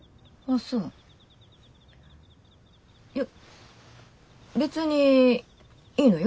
いや別にいいのよ。